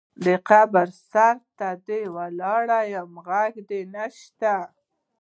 قبر سرته دې ولاړ یم غږ دې نه شــــته